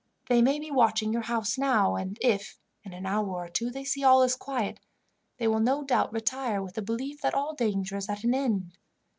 They may be watching your house now, and if, in an hour or two, they see all is quiet, they will no doubt retire with the belief that all danger is at an end.